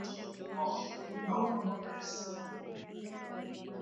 Binadamu hupenda kusifiwa